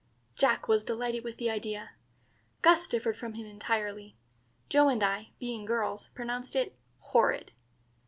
Jack was delighted with the idea. Gus differed from him entirely. Joe and I, being girls, pronounced it horrid.